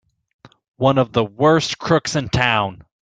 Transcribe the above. One of the worst crooks in town!